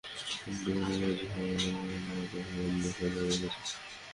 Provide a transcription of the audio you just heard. Phone পেয়ে ছুটে গিয়ে দেখি আমার মানিকরে হাত–পা বাইন্ধা ফালাইয়া রাখছে।